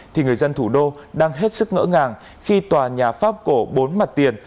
thì người dân thủ đô đang hết sức ngỡ ngàng khi tòa nhà pháp cổ bốn mặt tiền